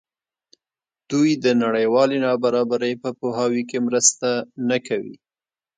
دوی د نړیوالې نابرابرۍ په پوهاوي کې مرسته نه کوي.